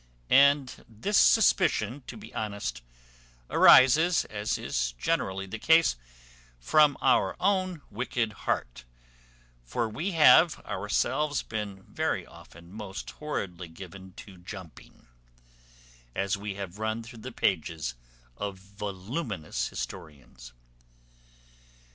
And this suspicion, to be honest, arises, as is generally the case, from our own wicked heart; for we have, ourselves, been very often most horridly given to jumping, as we have run through the pages of voluminous historians.